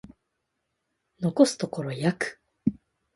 残すところ約